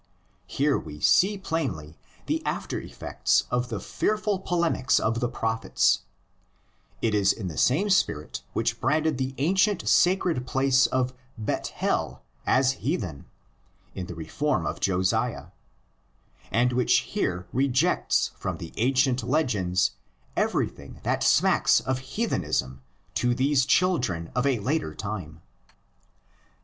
Here we see plainly the after effects of the fearful polemics of the Prophets: it is the same spirit which branded the ancient sacred place of Bethel as heathen (in the "reform" of Josiah) and which here rejects from the ancient legends everything that smacks of heathen ism to these children of a later time.